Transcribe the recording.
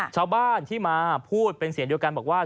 ชาวบ้านที่มาพูดเป็นเสียงเดียวกันบอกว่า